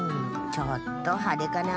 ちょっとはでかな。